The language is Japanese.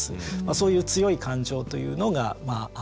そういう強い感情というのがまあ